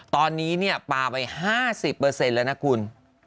ตอนนี้ปลาไป๕๐แล้วนะคุณ